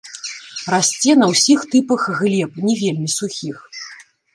Расце на ўсіх тыпах глеб, не вельмі сухіх.